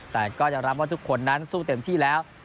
แต่ก็จะรับว่าทุกคนนั้นสู้เต็มที่แล้ว